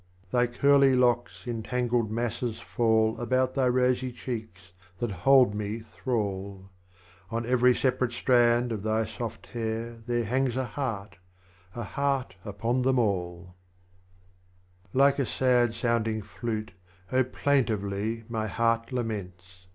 43. Thy Curly Locks in tangled Masses fall About thy Rosy Cheeks that hold me thrall, On every separate Strand of thy soft Hair There hangs a Heart, â€" a Heart upon them all. 12 THE LAMENT OF U. Like a sad sounding Flute, Oh plaintively My Heart laments.